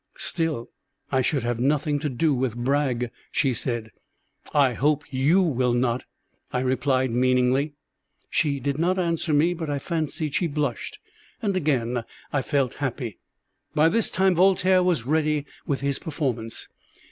'" "Still I should have nothing to do with Brag," she said. "I hope you will not," I replied meaningly. She did not answer me, but I fancied she blushed; and again I felt happy. By this time Voltaire was ready with his performance.